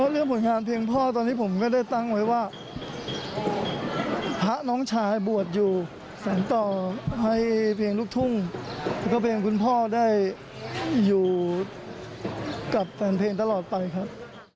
เรื่องผลงานเพลงพ่อตอนนี้ผมก็ได้ตั้งไว้ว่าพระน้องชายบวชอยู่สารต่อให้เพลงลูกทุ่งแล้วก็เพลงคุณพ่อได้อยู่กับแฟนเพลงตลอดไปครับ